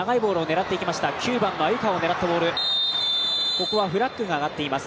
ここはフラッグが上がっています。